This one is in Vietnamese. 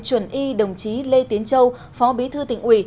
chuẩn y đồng chí lê tiến châu phó bí thư tỉnh ủy